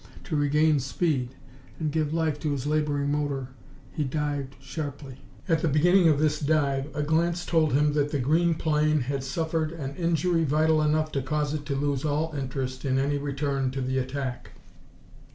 To regain speed, and give life to his laboring motor, he dived sharply. At the beginning of this dive a glance told him that the green plane had suffered an injury vital enough to cause it to lose all interest in any return to the attack.